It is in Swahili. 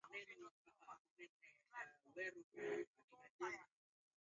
mbuga za wanyama nyingi zipo nchini tanzania